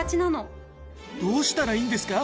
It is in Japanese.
どうしたらいいんですか？